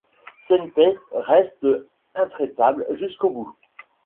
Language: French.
Shen Pei reste intraitable jusqu’au bout.